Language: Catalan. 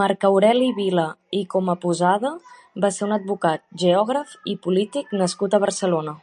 Marc Aureli Vila i Comaposada va ser un advocat, geògraf i polític nascut a Barcelona.